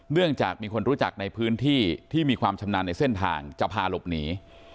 เนื่องจากมีคนรู้จักในพื้นที่ที่มีความชำนาญในเส้นทางจะพาหลบหนี